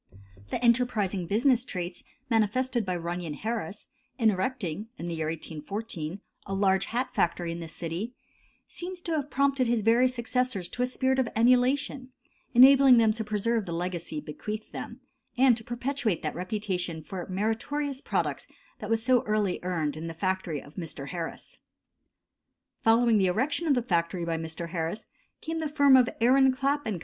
The enterprising business traits manifested by Runyon Harris, in erecting, in the year 1814, a large hat factory in this city, seemed to have prompted his various successors to a spirit of emulation, enabling them to preserve the legacy bequeathed them, and to perpetuate that reputation for meritorious products that was so early earned in the factory of Mr. Harris. Following the erection of the factory by Mr. Harris came the firm of Aaron Clap & Co.